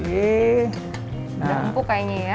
sudah empuk kayaknya ya